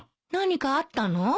何かあったの？